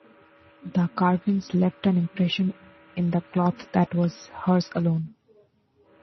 The carvings left an impression in the cloth that was hers alone.